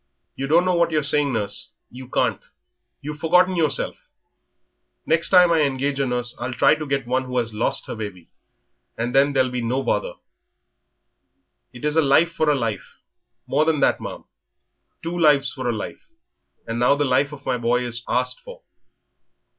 "You don't know what you're saying, nurse; you can't.... You've forgotten yourself. Next time I engage a nurse I'll try to get one who has lost her baby, and then there'll be no bother." "It is a life for a life more than that, ma'am two lives for a life; and now the life of my boy is asked for."